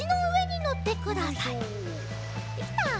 できた！